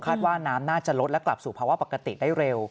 ว่าน้ำน่าจะลดและกลับสู่ภาวะปกติได้เร็ว